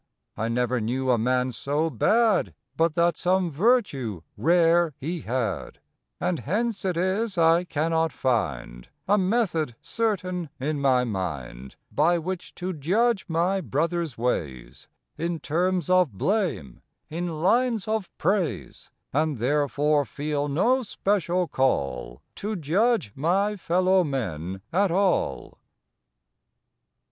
I never knew a man so bad But that some virtue rare he had, And hence it is I cannot find A method certain in my mind By which to judge my brother s ways, In terms of blame, in lines of praise, And therefore feel no special call To judge my fellow men at all.